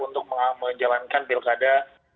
untuk menjalankan pilkada